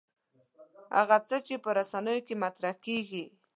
هغه څه چې په رسنیو کې مطرح کېږي.